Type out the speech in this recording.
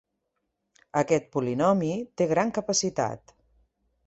Aquest polinomi té gran capacitat.